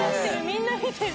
みんな見てる。